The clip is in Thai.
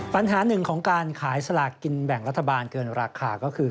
ปัญหาหนึ่งของการขายสลากกินแบ่งรัฐบาลเกินราคาก็คือ